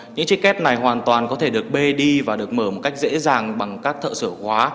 những chiếc két này hoàn toàn có thể được bê đi và được mở một cách dễ dàng bằng các thợ sửa hóa